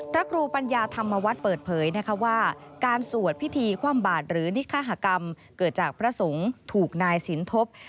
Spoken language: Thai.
ครูปัญญาธรรมวัฒน์เปิดเผยนะคะว่าการสวดพิธีคว่ำบาดหรือนิคหากรรมเกิดจากพระสงฆ์ถูกนายสินทบ